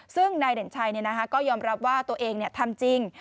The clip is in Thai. ซึ่งนายเด่นชัยก็ยอมรับว่าตัวเองทำจริง